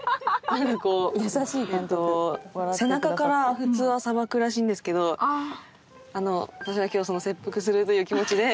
なんかこう背中から普通はさばくらしいんですけど私は今日切腹するという気持ちで来たので。